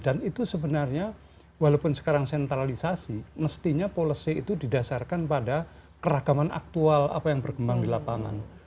dan itu sebenarnya walaupun sekarang sentralisasi mestinya policy itu didasarkan pada keragaman aktual apa yang berkembang di lapangan